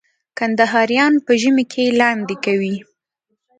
کندهاریان په ژمي کي لاندی کوي.